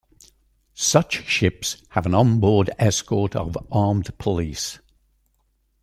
Such ships have an onboard escort of armed police.